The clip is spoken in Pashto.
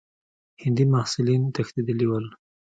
هندي محصلین تښتېدلي ول.